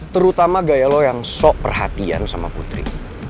terutama gaya lo yang sok perhatian sama putri